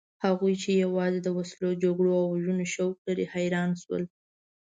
هغوی چې یوازې د وسلو، جګړو او وژنو شوق لري حیران شول.